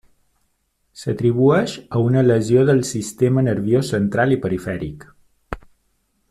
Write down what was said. S'atribueix a una lesió del sistema nerviós central i perifèric.